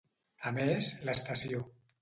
A més, l'estació.